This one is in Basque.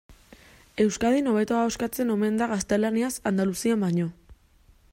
Euskadin hobeto ahoskatzen omen da gaztelaniaz Andaluzian baino.